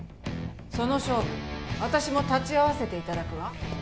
その勝負私も立ち会わせていただくわ